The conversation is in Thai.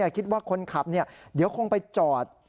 คิดว่าคนขับเดี๋ยวคงไปจอด